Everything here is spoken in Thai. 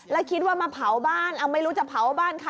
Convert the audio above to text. แล้วคิดว่ามาเผาบ้านไม่รู้จะเผาบ้านใคร